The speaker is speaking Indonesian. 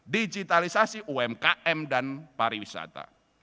digitalisasi umkm dan pariwisata